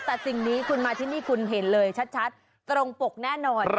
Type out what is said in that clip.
แต่คุณมาที่นี่คือเห็นเลยชัดตรงโปรกแน่นอน